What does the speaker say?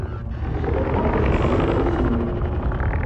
І ўсё пад маркай, што павінна быць сумленна.